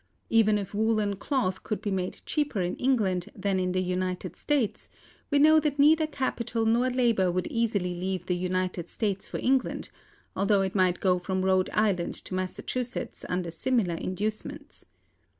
Even if woolen cloth could be made cheaper in England than in the United States, we know that neither capital nor labor would easily leave the United States for England, although it might go from Rhode Island to Massachusetts under similar inducements.